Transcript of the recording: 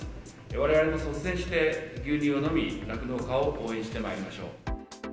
われわれも率先して牛乳を飲み、酪農家を応援してまいりましょう。